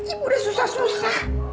ibu udah susah susah